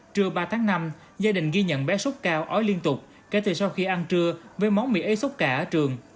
trưa ba tháng năm gia đình ghi nhận bé sốt cao ói liên tục kể từ sau khi ăn trưa với món mì ế xúc cả ở trường